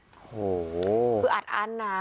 โอ้โหคืออัดอั้นนะ